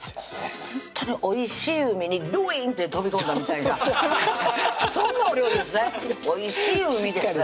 ほんとにおいしい海にドゥインって飛び込んだみたいなそんなお料理ですねおいしい海ですね